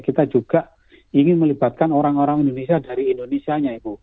kita juga ingin melibatkan orang orang indonesia dari indonesia nya ibu